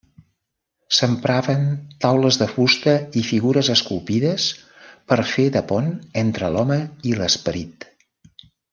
S'empraven taules de fusta i figures esculpides per fer de pont entre l'home i l'esperit.